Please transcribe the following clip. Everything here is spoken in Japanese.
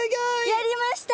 やりました！